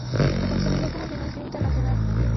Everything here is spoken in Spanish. Se consolida como financiero internacional.